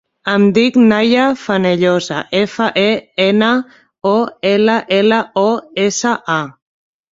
Em dic Nahia Fenollosa: efa, e, ena, o, ela, ela, o, essa, a.